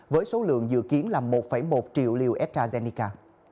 với số lượng dự kiến là một một triệu liều astrazeneca